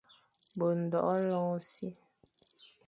Be ndôghe lôr ôsṽi,